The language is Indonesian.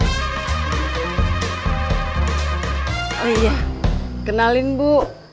oh iya kenalin bu